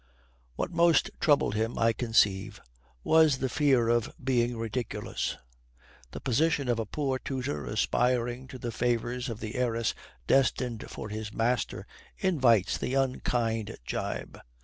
What most troubled him, I conceive, was the fear of being ridiculous. The position of a poor tutor aspiring to the favours of the heiress destined for his master invites the unkind gibe.